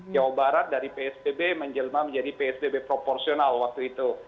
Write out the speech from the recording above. jawa barat dari psbb menjelma menjadi psbb proporsional waktu itu